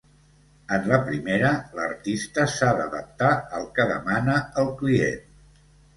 En la primera, l'artista s'ha d'adaptar al que demana el client.